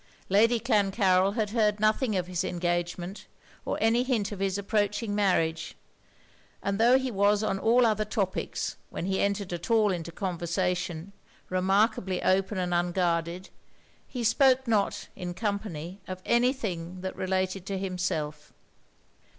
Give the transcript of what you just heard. Lady Clancarryl had heard nothing of his engagement, or any hint of his approaching marriage; and tho' he was on all other topics, when he entered at all into conversation, remarkably open and unguarded, he spoke not, in company, of any thing that related to himself.